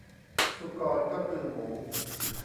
สุกรก็คือหมู